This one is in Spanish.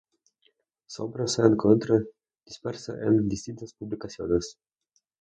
Su obra se encuentra dispersa en distintas publicaciones.